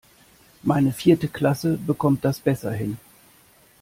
Meine vierte Klasse bekommt das besser hin.